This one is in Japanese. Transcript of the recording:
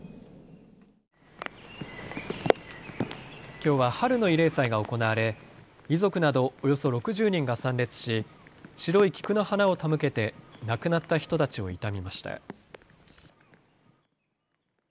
きょうは春の慰霊祭が行われ遺族などおよそ６０人が参列し白い菊の花を手向けて亡くなった人たちを悼みました。